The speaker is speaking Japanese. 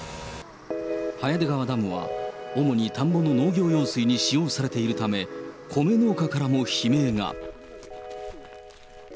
早出川ダムは、主に田んぼの農業用水に使用されているため、米農家からも悲鳴が。